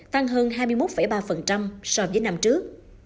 tăng hơn hai mươi một ba so với năm trước